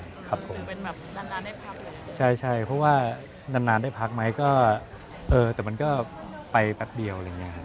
คือเป็นแบบนานได้พักเลยใช่เพราะว่านานได้พักไหมก็เออแต่มันก็ไปแป๊บเดียว